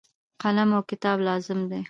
قلم او کتاب لازم دي.